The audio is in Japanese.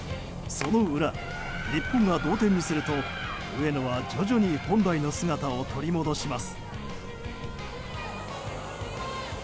その裏、日本が同点にすると上野は徐々に本来の姿を取り戻します。